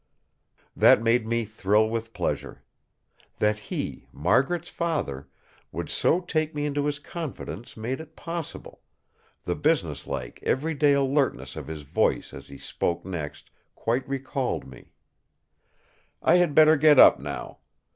That made me thrill with pleasure. That he, Margaret's father, would so take me into his confidence made it possible.... The business like, every day alertness of his voice as he spoke next quite recalled me: "I had better get up now.